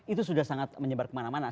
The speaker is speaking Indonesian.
itu sudah sangat menyebar kemana mana